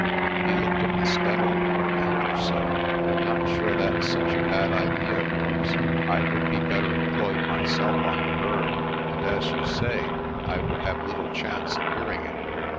He looked at me steadily for a minute or so. "I'm not sure that's such a bad idea of yours. I would be better em ployed myself on the Berg, and, as you say, I would have little chance of hearing anything.